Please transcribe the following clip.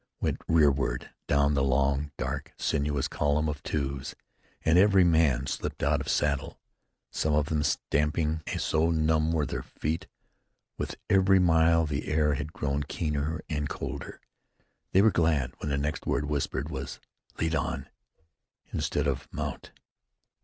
went rearward down the long, dark, sinuous column of twos, and every man slipped out of saddle some of them stamping, so numb were their feet. With every mile the air had grown keener and colder. They were glad when the next word whispered was, "Lead on" instead of "Mount."